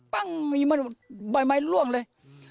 ปั๊งมันบ่ายล่วงเลย